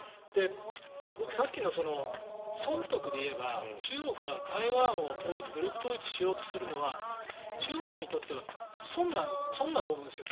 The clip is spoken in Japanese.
僕、さっきの損得でいえば中国は台湾を武力統一しようとするのは中国にとっては損だと思うんですよ。